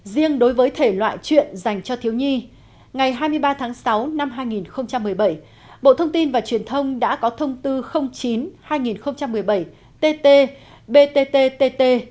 riêng đối với thể loại chuyện dành cho thiếu nhi ngày hai mươi ba tháng sáu năm hai nghìn một mươi bảy bộ thông tin và truyền thông đã có thông tư chín hai nghìn một mươi bảy tt btt